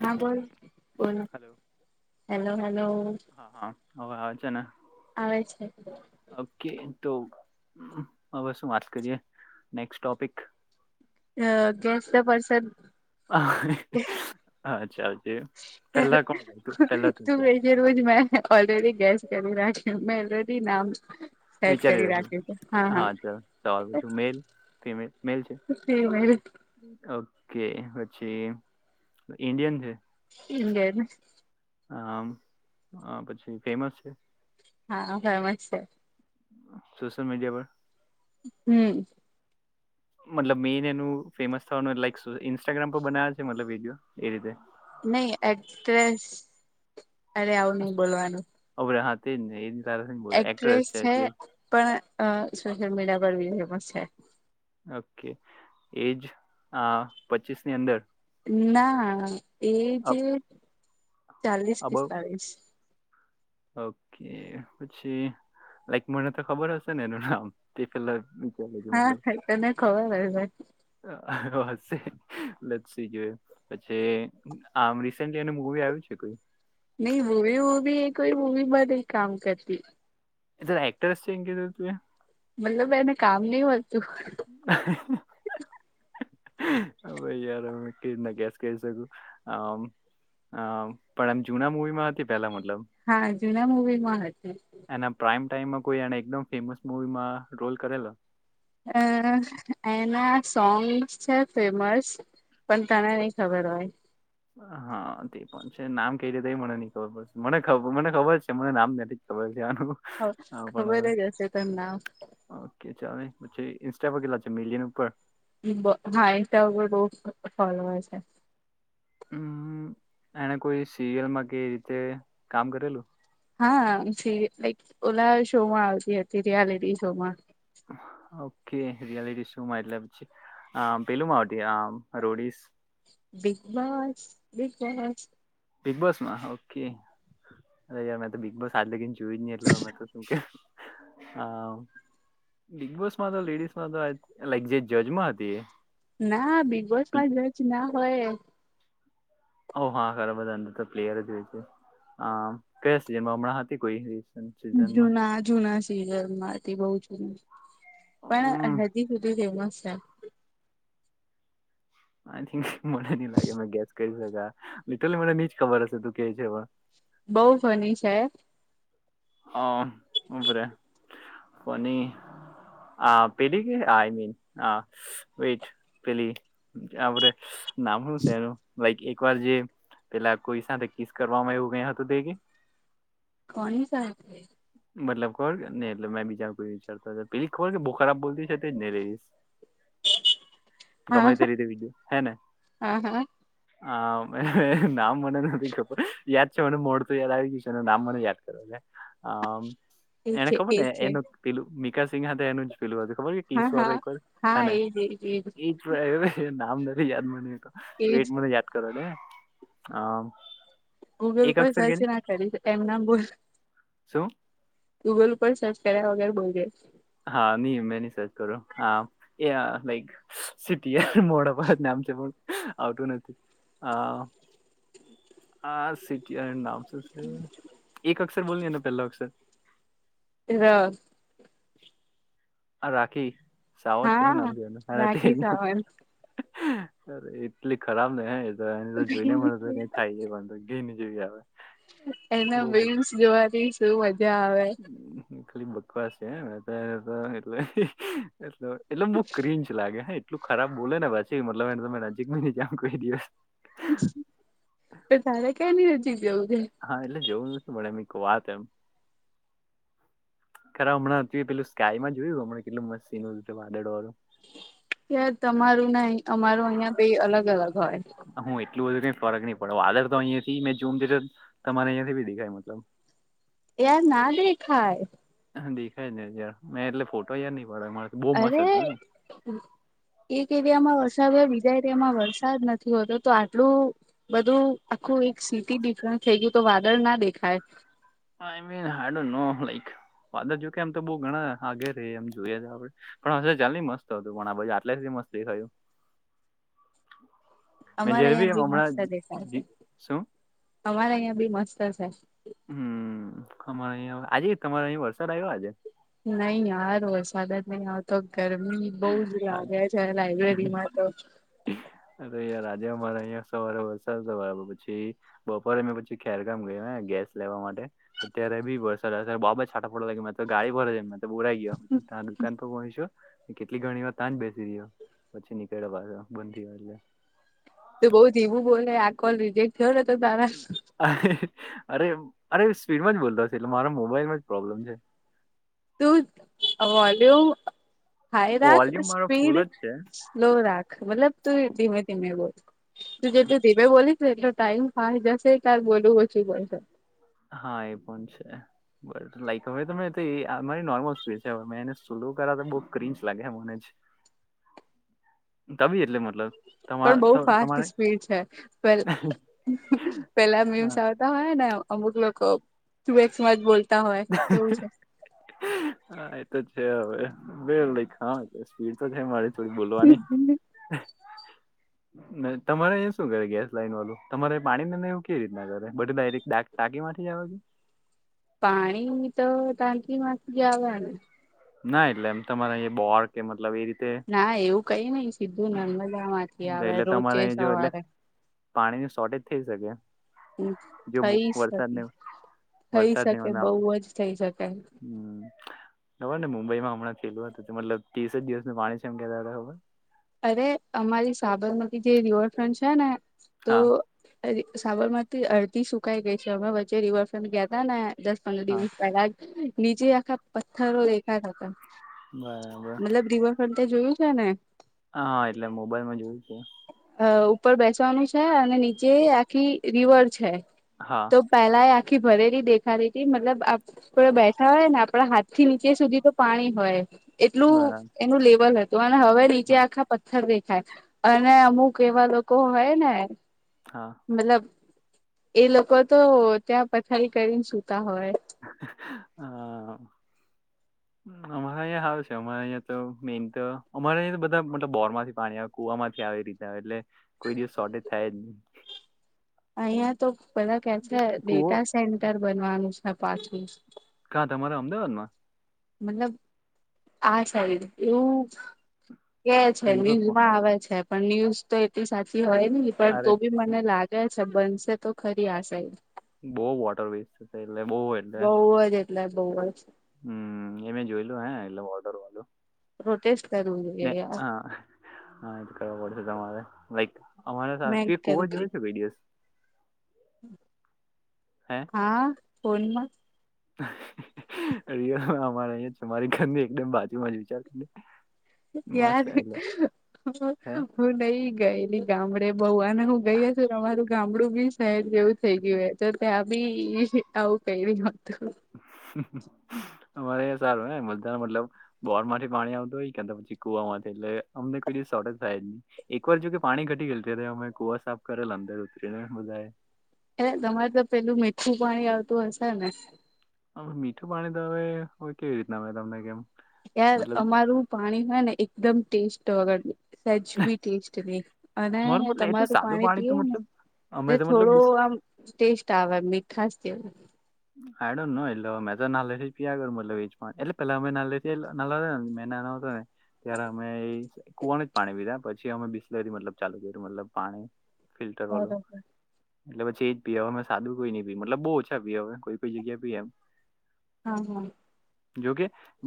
હા બોલ બોલ હલો હેલો હેલો હા હા હવે આવે છે ને આવે છે ઓકે તો હવે શું વાત કરીએ નેક્સ્ટ ટોપિક અ ગેસ ના પરસન અ હ અ એ પહેલા કોણ કર તું પેલા તું કર [unintelligible] મે અલરેડી નામ સેટ વિચારી કરી રાખ જે રાખ્યું છે હા ચાલ સવાલ પછું મેલ ફિમેલ મેલ છે. [inaudible] એંગને આમ આ પછી ફેમસ છે. હા ફેમજ છે. સોશિયલ મીડિયા પર હમ. મતલબ મેઈન એનું ફેમસ થવાનું લક શું ઇન્સ્ટાગ્રામ પર બનાવ છે મતલબ વિડીયો એ રીતે નહી એક્ટ્રેસ, અરે આવું નઈ બોલવાનું અરે હા તે જ ને એ. તારા બોલો એક્ટર જ એક્ટ્રેસ છે એટલે પણ અ સોશિયલ મીડિયા પર બી એ ફેમસ છે. ઓકે એજ આ પચીસ ની અંદર ના એ જે ચાલીસ અબવ પિસ્તાલીસ ઓકે પછી લાઈક મને તો ખબર હશે ને એનું નામ [unintelligible] હા. મતલબ તને ખબર હ ભાઈ. હ હશે લસી જો એ પછી આમ રિસેંટલી એનું મુવી આવ્યું છે કોઈ નહી હવી મૂવી એ કોઈ એ તો રાઇટર્સ છે એમ કીધું તું તુંએ મતલબ એને કામ ની હોય [inaudible] હ ભાઈ યાર, આમને કઈ રીતના ગેસ કરી શકું આમ હ પણ આમ જુના મવી માં હતી પેલા મ હા જુના મૂવીમાં હતી એના પ્રાઇમ ટાઈમમાં કોઈ એને એકદમ ફેમસ મુવીમાં રોલ કરેલો અ એના સોંગ્સ છે ફેમસ- પણ તને નઈ ખબર હોય. હા તે પણ છે, નામ કઈ રીતે એ મને નઈ ખબર પડશે મને મને ખબર છે, મને નામ નથી ખબર ધ્યાન પણ ખબર હવે જ હશે ત નામ ઓકે ચાલે પછી. ઇન્સ્ટા પર કેટલા છે, મિલિયન ઉપર? હા એ તોર બહ ફોલોલર છે. હમ એને કોઈ સિરિયલમાં કે રીતે કામ કરેલું હા લક ઓલા શો માં આવતી હતી રિયાલિટી શોમાં [inaudible] ઓકે રિયાલિટી શોમાં એટલે પેલું માં આવતી આ રોડીસ બિગ બાોસ, બિગ બાસ. બિગ બોસમાં ઓકે અરે યાર મે તો બિગ બોસ આજગ જોઈ નહી એટ અમે તો તું કે હ. બિગ બોસમાં તો લેડીસમાં તો લઈક જે જજમાં હતી. ના બિગ બોસમાં જચ ના હોય. ઓ હા ખરા બધા અંદર તો પ્લેયર જ હોય છે અ સિજનમાં હમણાં હતી કોઈ રિસન્ટ સિઝનમાં? જુના જુના સિરિયલમાંથી બહ જૂના પણ હમ હજી સુધી ફેમસ છે. આય થિક, મને લાગે ક શકાય લિટલી મને ની જ ખબર હશે તું કે છે પણ બહુ ફની છે. હા ઉપરે પણની આ પેલી, વેઇટ પેલી નામ શું છે એનું લાઈક એક વાર જે પેલા કોઈ સાથે કિસ કરવામાં આવુ [unintelligible] હતું દે કે કોની સાથે? મતલબ ખબર કેને એટલે મેં બીજા કોઈ વિચારતા પેલી ખબર કે બહુ ખરાબ બોલતી છે, તો જ નઈ લઈશ ગમે હા તે રીતે બીજું હે ને હા હા હા નામ મને નથી ખબર યાદ છે, મને મોડતું યાદ આવી ગયું છે નામ મને યાદ કર છે. એજ હ એને છે ખબર ને એજ છે એનું પેલું મિકા સિંહ એનું જ પેલું ખબર કે હા શું હા એક વાર હે હા ને એજ એજ એજ એ જ નામ નથી યાદ મને વેટ એજ મને યાદ કરવા દે ગૂગલ કોઈ સાચી ના કરી એમ નમ બોલ શું? ગૂગલ ઉપર સર્ચ કર્યા વગર બોલજે. હા નિ મેની સચ કરું હા એ લઈક સિટી મોડા જ નામ પણ આવતું નથી આ આ સિટી નામ એક અક્ષર બોલ પેલા અક્ષર [unintelligible] આ રાખી સાવત કેવું નામ હા જોવાનું રાખી તે. સાવંત અરે એટલી ખરાબ ને તો એને તો જોઈ ને મળે તો કઈ થાય જાય પણ ઘીન જેવી આવે. એના બહુ બક બીન્સ જોવારી શું? આવે ખાલી બકવાષ છે એટલે એ. એટલે બહુ ક્રિચ લાગે હા એટલું ખરાબ બોલે ને પછી મતલબને તમે નજીક ન કેમ કોઈ દિવસ. હા તો ક્યા એની નજિક જવું છે. જેવું ન શ મ એમ કો વાત એમ. ખરા હમણાં હતું પેલું સ્કાયમાં જોયું હમણા કેટલું મસ્સીન હતું વાદળો વાળું. ત તમારું ને અમાર અહિયાં બેય અલગ અલગ હોય? હું એટલું બધું કઈ ફરક નહી પડો આદર તો અહીયાયાથી મેં જોમ ત તમારે અહિયાયા થી બી દેખાય મતલબ. યાર ના દેખાય. દેખાય જ ને યાર મેં એટલે ફોટો એ અરે એક [unintelligible] બી જા એરિયામા વરસાદ નથી હોતો તો આટલુ બધુ આખુ એક સીટી ડેફરેન્સ થઈ ગયું. તો વાદળ ના દેખાય. આઈ મીન હાડો નો લઈક. વાદળ જોકે એમ તો બઉ ઘણા આઘે રેય એમ જોઈએ આપડે પણ હશે ચાલની મસ્ત હતુ પણ આ બાજુ આટલેથી. મસ્ત દેખાયુ. મે અમારે જ્યારે અહિયાં ભી બી હમણાં મસ્ત દેખાય છે ડી શું? અમારે અહીંયા ભી મસ્ત સે. હમ્મ અમારે અહીંયા આજે તમારે અહીં વરસાદ આયવો આજે. નઇ યાર વરસાદ જ નહી આવતો ગરમી બઉ જ લાગે છે લાઈબ્રેરીમાં તો અરે યાર આજે અમારે અહંયા સવારે વરસાદ [unintelligible] પછી બપોરે મેં પછી ખેરગામ ગયા ગેસ લેવા માટે અત્યારે બી વરસાદ બઆબ છાટા પડવા લાયગા મે તો ગાડી પરજ બોરાઈ ગયો તા દુકાન પર પહોંચ્યો કેટલી ઘણી વાર તા જ બેસી રહ્યો પછી નીકળ પાછો બંધ થીયો એટલે. તુ બઉ ધીમુ બોલને આ કોલ રિજેક્ટ થયો ને તો તારા અરે અરે સ્પીડમા જ બોલતો છે એટલે મારા મોબાઈલમાં જ પ્રોબ્લેમ છે. તુ વોલ્યુમ હાઈ રાખ વોલ્યુમ મારો સ્પીડ ફૂલ જ છે. સ્લો રાખ મતલબ તુ ધીમે ધીમે બોલ. તું જેટલુ ધીમેે બોલીશ એટલો ટાઈમ પાહે જશે તાર બોલવુ ઓછુ પડસે. હા એ પણ છે બટ લાાઈક હવે તો મે નોર્મલ સ્પીડ છે હવે મેને સ્લો કરા તો બો ક્રિચ લાગ હે મને જ તો બી એટલે મતલબ. તમા પણ બહું ત- ફાસ્ટ તમારે સ્પીડ છે પેલ હા પેલા મીમ્સ આવતા હોય ને. અમુક લોકો તુ એક્સમા જ બોલતા હોય એવું છે. હા, એ તો હવે લાઈક સ્પીડ તો છે મારી થોડીક બોલવાની. [inaudible] તમારે શું કરે ગેસ લાઈન વાળુ તમારે પાણી નેવું કેઈ રીતના કરે બધું દયરેક ડાકટાક માથી જ આવે કે? પાણી તો ટાંકી માંથી જ આવે ને. ના એટલે એમ તમારે બોર કે મતલબ એ રીતે ના એવું કઈ નઈ સીધુ નર્મદા માંથી આવે રોજે સવારે પાણી ન શોર્ટેજ થઈ શકે જો થઈ શકે વરસાદને થઈ વરસાદની શકે આવા બહુ જ થઈ શકે હમ ખબર ને મુંબઈમાં હમં થેલુ હતું મતલબ ત્રીસ જ દિવસનું પાણી છે એમ કેતા તા ખબર અરે અમારી સાબરમતી જે રિવરફ્રન્ટ છે ને તો હા અ સાબરમતી અડધી સુકાઈ ગઈ છે અમે વચ્ચે રિવરફ્રન્ટ ગ્યાતા ને દસ પંદર હા દિવસ પહેલા જ નીચે આખા પથ્થરો દેખાતા તા બરાબર તે જોયુ છે ને હા હા એટલે મોબાઈલમા જોયુ તુ અ ઉપર બેસવાનુ છે અને નીચે આખી રિવર છે હા તો પેલા આખી ભરેલી દેખાતી તી મતલબ આપ ડે બેઠા હોય ને આપણા હાથ થી નીચે સુધી તો પાણી હોય એટલુ બરાબર એનુ લેવલ હતુ અને હવે નીચે હા આખા પથ્થર દેખાય અને અમુક એવા લોકો હોય ને હા મતલબ એ લોકો તો ત્યાં પથારી કરીને સુતા હોય હા અમારા અહીં હારુ છે અમારે અંયા તો મેન તો અમારે અંયા તો બધા મતલબ બોર માંથી પાણી આવે કુ વામાંથી આવે રીતે એટલે કોઈ દિવસ શોટેજ થાય જ ની અહિયાં તો બધા કે છે કુવો ડેટા સેન્ટર બનવાનુ છે પાછુ કા તમારા અમદાવાદ માં મતલબ આ છે એવું કે છે ન્યૂઝ રિવરફ્રન્ટ માં આવે છે પણ ન્યૂઝ તો એટલી સાચી હોય ન પણ તો અરે બી મને લાગે છે બનશે તો ખરી આશે બહ વોટર વસ છે એટલે બહ એટલે બહુ જ એટલે બહુ જ હમ એ મેં જોયલું હે એટલે ઓર્ડર વાલું પ્રોટેસ્ટ કરવું જોઈએ ને યાર હા હા એજ કરવા પડશે તમારે લાઈક અમારે મેં ત હોવા કરુંગી જોઈ છે દિવસ હા ફોનમાં અરે અમારે અહીં મારી ઘરની એકદમ બાજુમાં જ વિચારીને યાર હે હું નઈ ગયેલી ગામડે અ બહુ આને હું ગઈ છું અમારું ગામડું બી શહેર જેવું થઈ ગયું હો તો ત્યાં બી આવું કઈ ર હોતું અમારે સારું મલા મતલબ બોર માંથી પાણી આવતું હોય કે પછી કુવામાં એટલે અમને કોઈ દિવ શોર્ટજ થાય જ નહી એક વાર જો કે પાણી ઘટી ગયલું અમે કુવા સાફ કરેલ અંદર ત બધાય એ તમારે તો પેલું મીઠું પાણી આવતું હશે ને હ મીઠું પાણી તો હવે કેવી રીતના હ તમને કેમ યાર મતલબ અમારું પાણી હોય ને એકદમ ટેસ્ટ વગર સજ બી ટેસ્ટ નહી અને અમારું મતલબ તમાર એટલું તો સાદું પાણી તો પીએ મતલબ ને અમે તો મતલબ થોડો આમ ટેસ્ટ આવે એમ ખાસ આડ એટલે મેં તો નાલે થી જ પ કરટલે વેજ એટલે પેલા અમે નાલેથી ના મે ના ને ત્યારે અમે કુવાનું જ પાણી પીધા પછી અમે બિસ્લેર થીતલબ ચાલુ કરું મતલબ પાણી ફિલ્ટર વાળું બરોબર એટલે પછી એ જ પી હ મેમે સાદું કોઈ નઈ પી મતલબ બહુ ઓછા પી હવે કોઈ કોઈ જગ્યા ભી એમ હા મો જોકે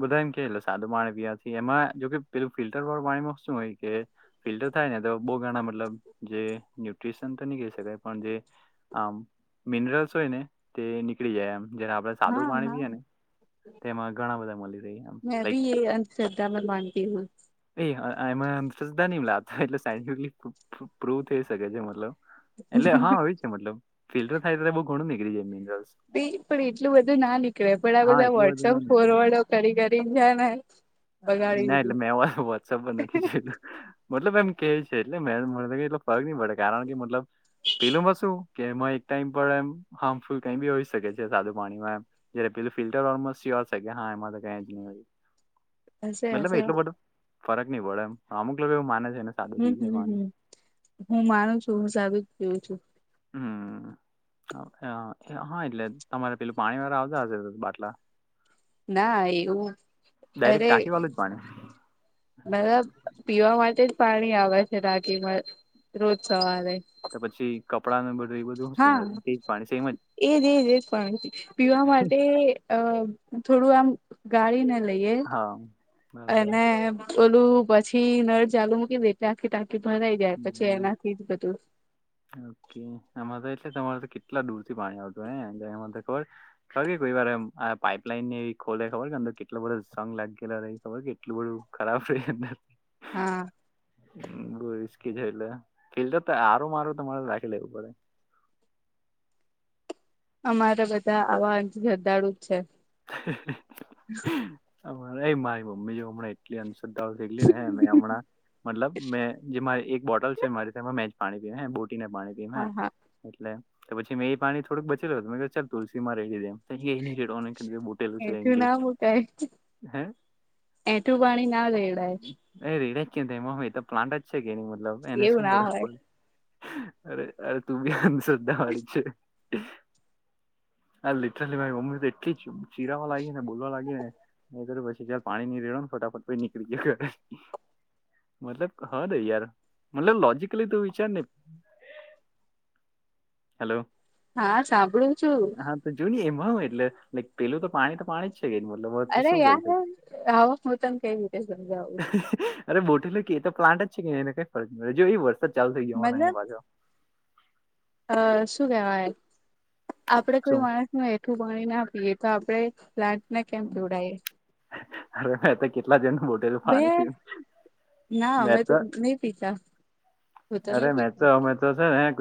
બધામ કે એટલે સાદું પાણી પીવા એમાં જોકે પેલું ફિલ્ટર વાળું પાણીમાં શું હોય કે ફિલ્ટર થાય ને તો બહુ ગણા મતલબ જે ન્યુટ્રીિશન તો નહી કહી શકાય પણ જે આમ મિનરલ્સ હોય ને તે નીકળી જાય એમ જે આપણે સાદું હા પાણી હા પીએ ને તેમાં ઘણા બધા મળી રહ્યા આમ મેં લાઈક બી એ અંધશ્રદ્ધામાં માનતી હું એમાં સધા ન લાવતા એટલે સાયન્ટફલી પ્રૂવ થઈ શકે છે મતબ એટલે હા હોય છે મતલબ ફિલ્ટર થાય તો બઉુ ઘણું નીકળી જાય મ ભી પણ એટલું બધું ના નીકળે પણ આ હા બધા એટલું બધું ના વોટ્સઅપ ફોરવર્ડો કરી કરીને જા ને બગાડી ના એટલે દીધું મેં એ તો વોટ્સઅપ પર નથી જોયતું મતલબ એમ કે છે એટલે મે એટલો ફરક નહી પડે કારણ કે મતલબ પેલું માં શું કે એમાં એક ટાઈમ પર એમ હાર્મફુલ કઈ બી હોઈ શકે છે સાદું પાણીમાં એમ જ ફિલ્ટર ઓમર હા એમાં ક હશે હશે ફરક નહ પડ એમ અમુક લોકો એવું માને છે ને સાદું હમ પી છે પાણી હમ હ હું માનું છું હું સારું જ જોું છું હમ હા એટલે તમારે પેલું પાણી વાળા આવતા હશે બાટલા ના એવું ડાયરેક અરે ટાકી વાળું જ પાણી મતલબ પીવા માટે જ પાણી આવે છે રાકીમાં રોજ સવારે કે પછી કપડા ન બધું એ બધું હા શુંજ પાણી સેમ જ એજ એજ એજ પીવા માટે અ થોડું આમ ગાળી ને લઈએ હા બરાબર અને ઓલું પછી નળ ચાલુ મૂકી એટલે આખી ટા ભરાઈ જાય પછી હમ્મ એનાથી જ બધું ઓકે આમાં તો એટલે તમારે તો કેટલા દૂર થી પાણી આવતું પાઈપલાઈનને [unintelligible] હા રિસ્કી છે એટલે ફિલ્ડર તો આરો મારો તમારે રાખી લેવું પડે [inaudible] અમારા બધા આવા જદાળુ છે એ મારી મમ્મી જો હમણાં એટલી અન તો ને મે હમણાં મતલબ મેં જે મારે બોટલ છે મારી તેમાં મેં જ પાણી પીય હે બોટીને પાણી પીય હે હા હા એટલે તો પછી મે એ પાણી થોડુંકબચ્યું હતું મે કે ચાલ તુલસી માં એઠું ના મુકાય હે એઠું પાણી ના રેળાય કે તેમાં હુ એ તો પ્લાન્ટ જ છે કે ની મતલબ એને એવું શું ના ફરક હોય પડે. અરે, અરે તું બી આંધશ્ર્ધા વાળી છે. આ લીટરલી મારી મમ્મી તો ચીરાવા લાગી ને બોલવા લાગી ને એ કરર પછી ચાલ પાણીની રેડો ને ફટાફટ પી નીકળી ગાય ઘ મતલબ હ દે યાર મતલબ લોજકલી તું વિચારને હેલો હા સાંભળું છું. હ એટલે પેલું તો પાણી તો પાણી જ અરે યાર આવા હું તને કઈ રીતે સમજાવું [unintelligible] એ એ તો પ્લાન્ટ જ છે કે એને કઈ ફરજ પડે. જો એ વરસાદ ચાલુ થઈ મતલબ ગયો અ શું કેવાય આપડે કોઈ શું માણસ નું હેઠું પાણી ના પીએ તો આપડણે પ્લાટને કેમ જોવડાયએ અરે મેં તો કેટલા જણનું બોટેલું પાણી પીયું ના અમેંતો નહી પીતા. હું તો અરે નહી પીતી મેતો અમે તો છે ને